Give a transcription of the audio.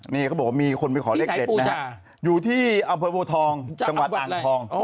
นี่เค้าบอกว่ามีคนไปขอเลขเด็ดนะฮะอยู่ที่๑๒๐๐จังหวัดอ่างทอง